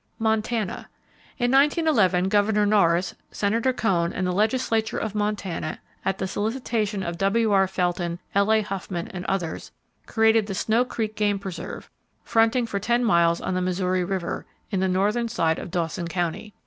Montana: In 1911 Governor Norris, Senator Cone and the legislature of Montana, at the solicitation of W.R. Felton, L.A. Huffman and others, created the Snow Creek Game Preserve, fronting for ten miles on the Missouri River, in the northern side of Dawson County.